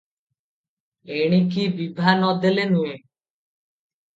ଏଣିକି ବିଭା ନ ଦେଲେ ନୁହେ ।